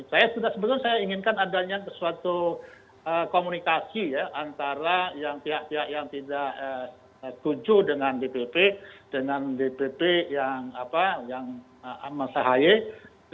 saya sudah sebetulnya inginkan adanya sesuatu komunikasi antara yang tidak tuju dengan dpp dengan dpp yang masahaye